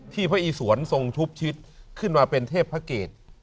พระอีสวนทรงทุบชิดขึ้นมาเป็นเทพพระเกต